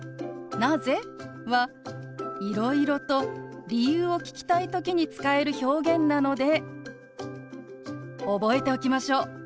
「なぜ？」はいろいろと理由を聞きたい時に使える表現なので覚えておきましょう。